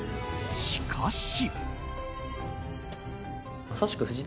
しかし。